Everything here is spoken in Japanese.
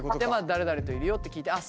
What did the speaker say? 誰々といるよって聞いてああ